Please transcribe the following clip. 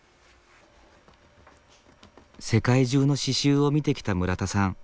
世界中の刺しゅうを見てきた村田さん。